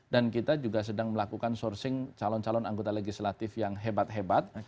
dan kita juga sedang melakukan sourcing calon calon anggota legislatif yang hebat hebat